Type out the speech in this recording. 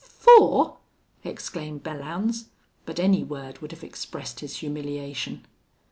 "Four!" exclaimed Belllounds. But any word would have expressed his humiliation.